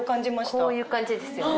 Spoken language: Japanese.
こういう感じですよね。